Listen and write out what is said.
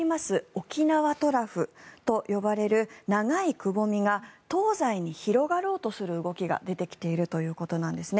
沖縄トラフと呼ばれる長いくぼみが東西に広がろうとする動きが出てきているということです。